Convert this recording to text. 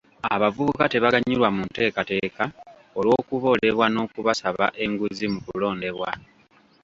Abavubuka tebaganyulwa mu nteekateeka olw'okuboolebwa n'okubasaba enguzi mu kulondebwa.